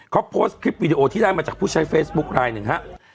เขาโพสต์คลิปวิดีโอที่ได้มาจากผู้ใช้เฟซบุ๊คลายหนึ่งฮะ